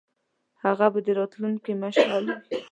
هغه به د راتلونکي مشعل وي.